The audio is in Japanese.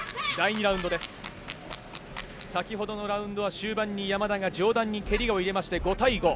先ほどのラウンドは終盤に山田が上段に蹴りを入れまして、５対５。